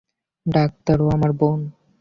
Doctor, ও আমার বোন।